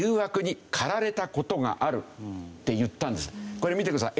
これ見てください。